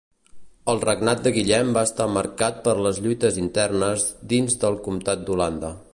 El regnat de Guillem va estar marcat per les lluites internes dins del comtat d'Holanda.